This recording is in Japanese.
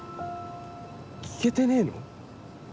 聞けてねえの？